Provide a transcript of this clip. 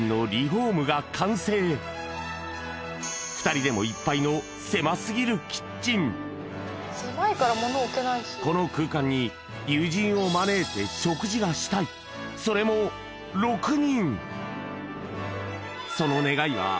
２人でもいっぱいのこの空間に友人を招いて食事がしたいそれも６人！